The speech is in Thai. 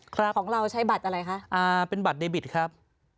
ของเราใช้บัตรอะไรคะอ่าเป็นบัตรเดบิตครับ